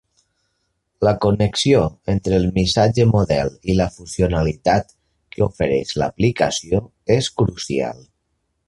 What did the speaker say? La connexió entre el missatge model i la funcionalitat que ofereix l'aplicació és crucial.